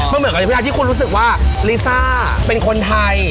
มันเหมือนกับเวลาที่คุณรู้สึกว่าลิซ่าเป็นคนไทย